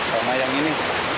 hai yang ini